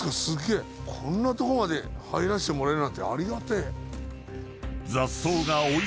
こんなとこまで入らせてもらえるなんてありがてえ。